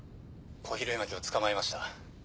小比類巻を捕まえました。